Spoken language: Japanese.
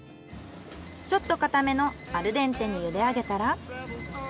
ちょっと硬めのアルデンテにゆで上げたら。